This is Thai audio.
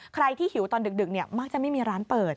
ใครที่หิวตอนดึกมักจะไม่มีร้านเปิด